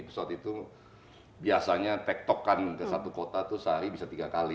pesawat itu biasanya tek tok kan ke satu kota tuh sehari bisa tiga kali